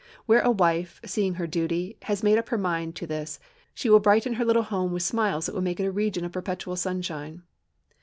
Where a wife, seeing her duty, has made up her mind to this, she will brighten her little home with smiles that will make it a region of perpetual sunshine.